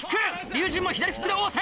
龍心も左フックで応戦！